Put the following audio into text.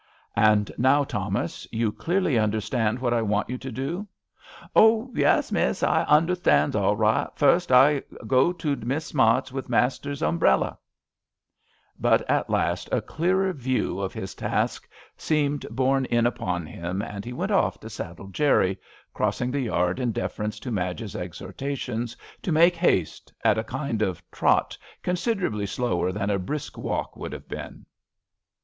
•'And now, Thomas, you A RAINY DAY. 1 35 clearly understand what I want you to do ?"Oh, yes, Miss, I onderstands all right, Furst I be to go to Mrs Smart's wi' master's ombrella/' But at last a clearer view of his task seemed borne in upon him and he went off to saddle Jerry, crossing the yard in defer ence to Madge's exhortations to make haste, at a kind of trot considerably slower than a brisk walk would have been.